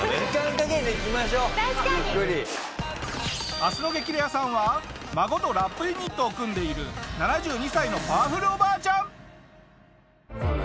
明日の『激レアさん』は孫とラップユニットを組んでいる７２歳のパワフルおばあちゃん。